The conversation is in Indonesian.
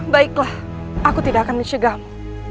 baiklah aku tidak akan dicegam